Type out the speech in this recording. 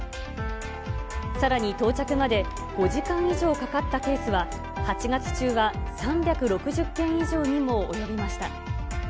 さらに到着まで５時間以上かかったケースは、８月中は３６０件以上にも及びました。